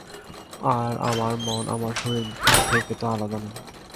আর আমার মন আমার শরীর থেকে তো আলাদা না।